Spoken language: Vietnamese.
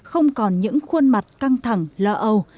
không còn những khuôn mặt căng thẳng lỡ âu